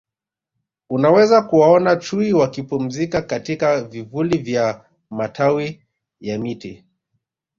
Unaweza kuwaona Chui wakipumzika katika vivuli vya matawi ya miti